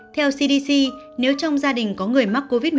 theo cdc nếu trong gia đình có người mắc covid một mươi chín